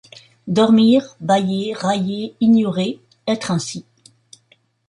Dormir, bâiller, railler, ignorer, être ainsi